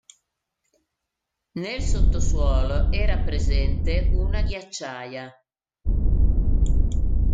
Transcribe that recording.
Nel sottosuolo era presente una ghiacciaia.